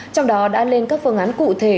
trong đó đã lên các phương án cụ thể